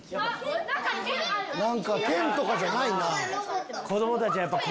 何か剣とかじゃないな。